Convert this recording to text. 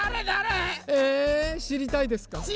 だれ？えしりたいですか？